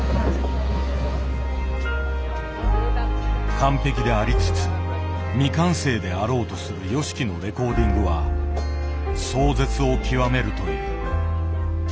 完璧でありつつ未完成であろうとするＹＯＳＨＩＫＩのレコーディングは壮絶を極めるという。